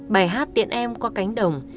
bài hát tiện em qua cánh đồng